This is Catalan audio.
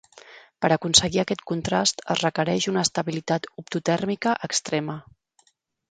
Per aconseguir aquest contrast es requereix una estabilitat optotèrmica extrema.